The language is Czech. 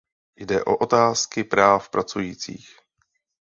Jde o otázky práv pracujících.